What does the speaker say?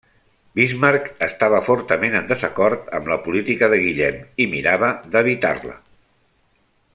Bismarck estava fortament en desacord amb la política de Guillem i mirava d'evitar-la.